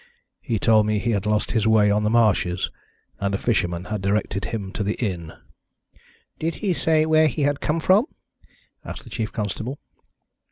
He told me he had lost his way on the marshes, and a fisherman had directed him to the inn." "Did he say where he had come from?" asked the chief constable.